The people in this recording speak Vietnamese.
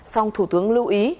xong thủ tướng lưu ý